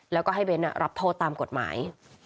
แล้วก็ให้เบ้นรับโทษตามกฎหมาย